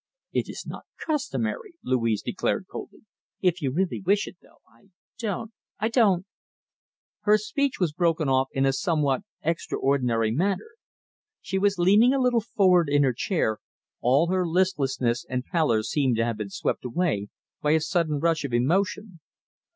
"It is not customary," Louise declared coldly. "If you really wish it, though, I don't I don't " Her speech was broken off in a somewhat extraordinary manner. She was leaning a little forward in her chair, all her listlessness and pallor seemed to have been swept away by a sudden rush of emotion.